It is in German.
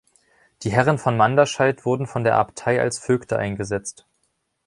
Die Herren von Manderscheid wurden von der Abtei als Vögte eingesetzt.